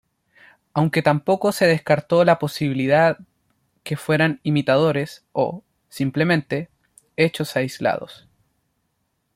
Aunque tampoco se descartó la posibilidad que fueran imitadores o, simplemente, hechos aislados.